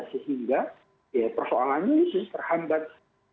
sehingga ya persoalannya ini sudah terhambat